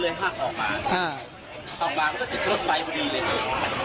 ยามาตาก